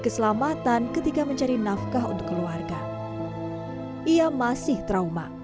keselamatan ketika mencari nafkah untuk keluarga ia masih trauma